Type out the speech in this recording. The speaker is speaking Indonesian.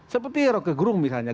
seperti roke grung misalnya